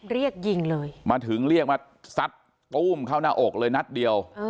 เรียกยิงเลยมาถึงเรียกมาซัดตู้มเข้าหน้าอกเลยนัดเดียว